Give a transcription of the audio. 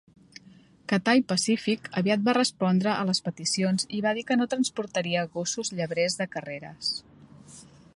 Cathay Pacific aviat va respondre a les peticions i va dir que no transportaria gossos llebrers de carreres.